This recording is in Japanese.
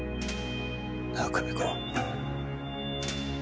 なあ久美子。